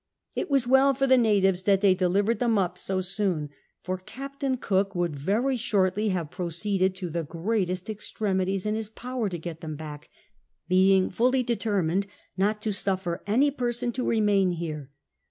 It was well for the natives that they delivered them up so soon, for Captain Cook would very shortly have ])i*o(ieeded to the givatest exti'cmities in his power to get them hack, being fully determined not to suffer any person to remain here.